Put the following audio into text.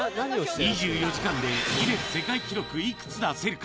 ２４時間でギネス世界記録いくつ出せるか？